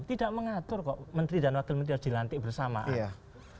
tidak mengatur kok menteri dan wakil menteri harus dilantik bersamaan